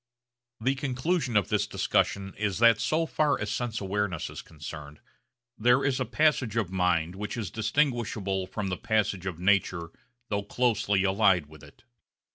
The conclusion of this discussion is that so far as sense awareness is concerned there is a passage of mind which is distinguishable from the passage of nature though closely allied with it.